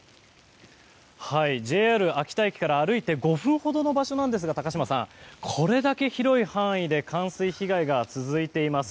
ＪＲ秋田駅から歩いて５分ほどの場所なんですがこれだけ広い範囲で冠水被害が続いています。